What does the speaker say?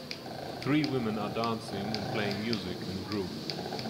Three women are dancing and playing music in a group